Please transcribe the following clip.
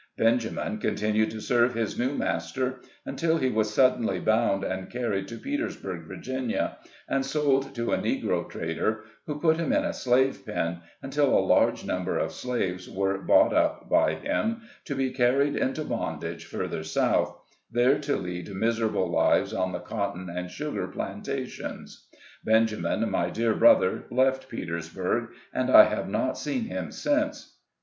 Benjamin continued to serve his new master, until he was suddenly bound and carried to Petersburg, Virginia, and sold to a negro trader, who put him in a slave pen, until a large number of slaves were bought up by him, to be car ried into bondage further South, there to lead miser able lives on the cotton and sugar plantations. Ben jamin, my dear brother, left Petersburg, and I have not seen him since.